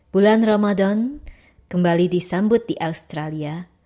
bulan ramadan kembali disambut di australia